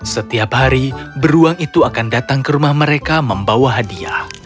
setiap hari beruang itu akan datang ke rumah mereka membawa hadiah